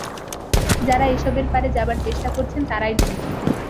যাঁরা এ সবের পারে যাবার চেষ্টা করছেন, তাঁরাই ধন্য।